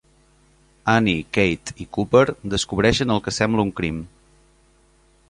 Annie, Kate i Cooper descobreixen el que sembla un crim.